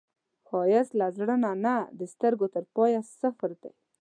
ښایست له زړه نه د سترګو تر پایه سفر دی